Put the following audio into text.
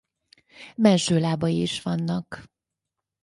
Mellső lábai is vannak.